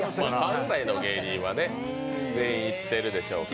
関西の芸人は全員行ってるでしょうからね。